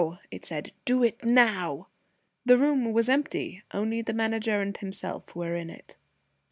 it said. "Do it now!" The room was empty. Only the Manager and himself were in it.